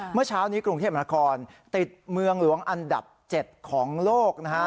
เมื่อเช้านี้กรุงเทพมนาคอนติดเมืองหลวงอันดับ๗ของโลกนะฮะ